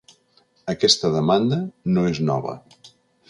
Aquesta demanda no és nova.